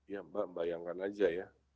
ya mbak bayangkan aja ya